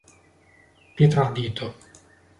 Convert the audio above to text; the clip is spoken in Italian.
Pietro Ardito